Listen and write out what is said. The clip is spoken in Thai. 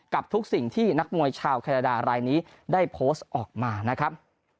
กับทุกสิ่งที่นักมวยชาวแคนาดารายนี้ได้โพสต์ออกมานะครับ